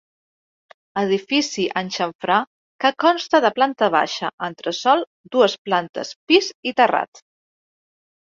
Edifici en xamfrà que consta de planta baixa, entresòl, dues plantes pis i terrat.